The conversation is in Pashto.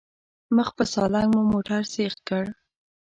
مخ په سالنګ مو موټر سيخ کړ.